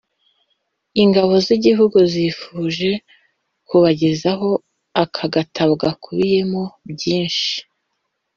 ingabo z'igihugu zifuje kubagezaho aka gatabo gakubiyemo byinshi